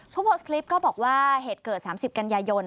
ผู้โพสต์คลิปก็บอกว่าเหตุเกิด๓๐กันยายน